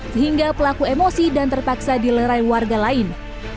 sehingga pelaku emosi dan terpaksa dilerai warga lain